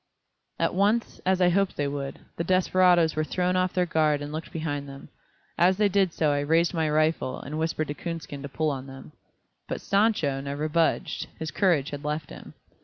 At once, as I hoped they would, the desperadoes were thrown off their guard and looked behind them. And as they did so I raised my rifle and whispered to Coonskin to pull on them. But "Sancho" never budged, his courage had left him.